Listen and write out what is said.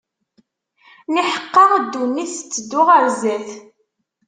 Niḥeqqa ddunit tetteddu ɣer zzat.